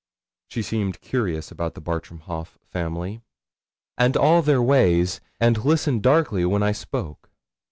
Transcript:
She seemed curious about the Bartram Haugh family, and all their ways, and listened darkly when I spoke.